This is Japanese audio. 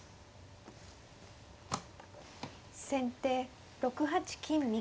先手６八金右。